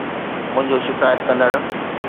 منهنجو شڪايت ڪندڙ